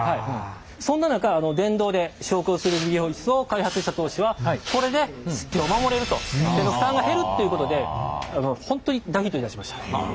そんな中電動で昇降する理美容イスを開発した当初はこれでスッと手の負担が減るっていうことで本当に大ヒットいたしました。